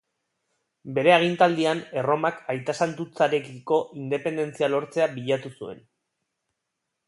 Bere agintaldian Erromak aitasantutzarekiko independentzia lortzea bilatu zuen.